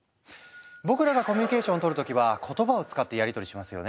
僕らがコミュニケーションを取る時は言葉を使ってやり取りしますよね。